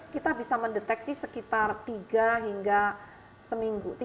kita bisa mendeteksi sekitar tiga hingga seminggu